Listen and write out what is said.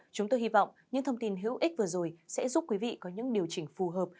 chúng tôi hy vọng những thông tin hữu ích vừa rồi sẽ giúp quý vị có những điều chỉnh phù hợp